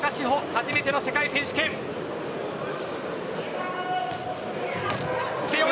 初めての世界選手権です。